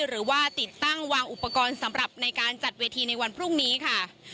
หรือว่าติดตั้งวางอุปกรณ์สำหรับในการจัดเวทีในวันพรุ่งนี้ค่ะ